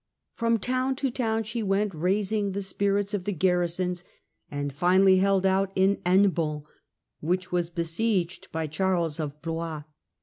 From town to town she went, raising the spirits of the garrisons, and finally held out in Hennebon, which was besieged by Charles of Blois.